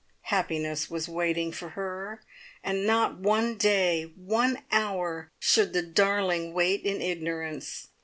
Happiness was waiting for her, and not one day, one hour, should the darling wait in ignorance.